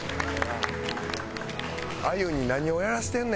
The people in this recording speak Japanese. あゆに何をやらせてんねん山内。